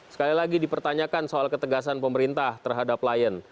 sekali lagi dipertanyakan soal ketegasan pemerintah terhadap lion